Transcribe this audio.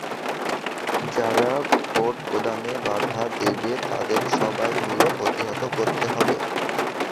যারা ভোট প্রদানে বাধা দেবে, তাদের সবাই মিলে প্রতিহত করতে হবে।